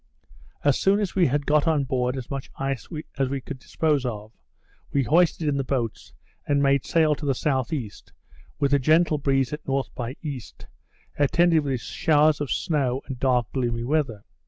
As soon as we had got on board as much ice as we could dispose of, we hoisted in the boats, and made sail to the S.E., with a gentle breeze at N. by E., attended with showers of snow, and dark gloomy weather.